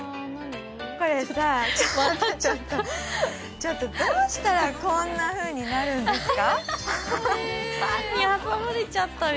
ちょっと、どうしたらこんなふうになるんですか？